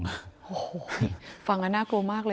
โอ้โหฟังแล้วน่ากลัวมากเลย